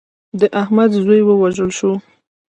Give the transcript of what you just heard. د احمد زوی ووژل شو.